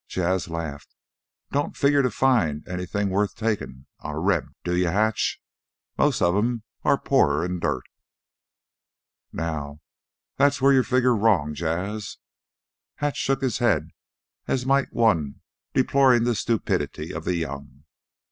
Jas' laughed. "Don't figure to find anything worth takin' on a Reb do you, Hatch? Most of 'em are poorer'n dirt." "Now that's whar you figger wrong, Jas'." Hatch shook his head as might one deploring the stupidity of the young.